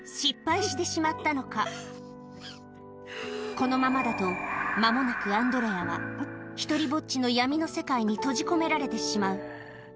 このままだと間もなくアンドレアは独りぼっちの闇の世界に閉じ込められてしまう